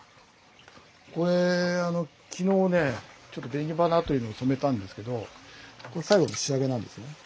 これあの昨日ねちょっと紅花というので染めたんですけどこれ最後の仕上げなんですね。